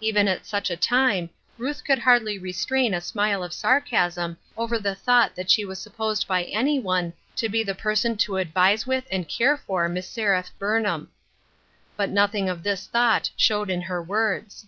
Even at such a time, Ruth could hardly restrain a smile of sarcasm over the thought that she was supposed by any one to be the person to advise with and care for Miss Seraph Burnham. But nothing of this thought showed in her words.